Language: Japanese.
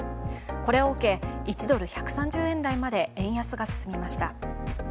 これを受け、１ドル＝１３０円台まで円安が進みました。